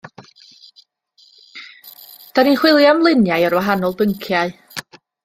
'Dan ni'n chwilio am luniau ar wahanol bynciau